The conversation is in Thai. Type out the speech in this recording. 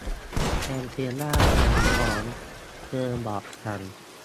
แองเจล่ากำลังท้อง เธอบอกฉัน